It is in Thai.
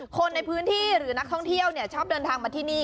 คนในพื้นที่หรือนักท่องเที่ยวชอบเดินทางมาที่นี่